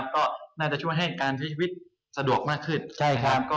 ก็ช่วยให้การเสียชีวิตสะดวกมากขึ้น